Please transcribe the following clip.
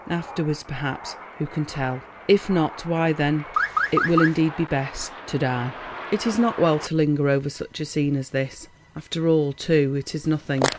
Afterwards—perhaps—who can tell? If not, why then—it will indeed be best—to die." It is not well to linger over such a scene as this. After all, too, it is nothing.